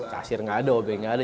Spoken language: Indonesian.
kasir nggak ada obe nggak ada